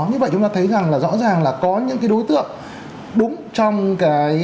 như vậy chúng ta thấy rõ ràng là có những đối tượng đúng trong cái